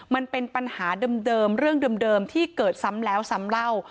มันเป็นปัญหาเดิมเรื่องเดิมที่เกิดซ้ำแล้วซ้ำเล่า